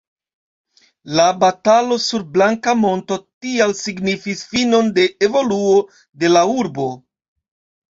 La batalo sur Blanka Monto tial signifis finon de evoluo de la urbo.